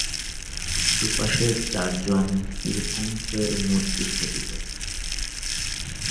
দুইপাশে চার জন তীর্থঙ্করের মূর্তি খোদিত।